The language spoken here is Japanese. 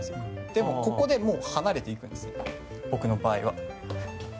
でも、ここで離れていくんです僕の場合は。